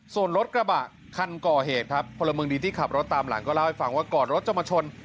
ส่วนรถกระบะคันก่อเหตุครับพลเมืองดีที่ขับรถตามหลังก็เล่าให้ฟังว่าก่อนรถจะมาชน